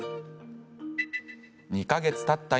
２か月たった